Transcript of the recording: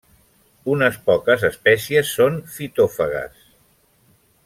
Unes poques espècies són fitòfagues.